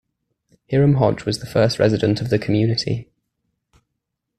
Hiram Hodge was the first resident of the community.